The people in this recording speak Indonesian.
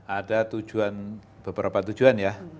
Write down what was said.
ada beberapa tujuan ya